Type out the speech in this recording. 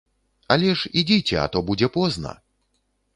Але ж ідзіце, а то будзе позна!